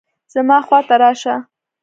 زما خوا ته راشه